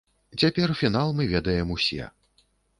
Цяпер фінал мы ведаем усе.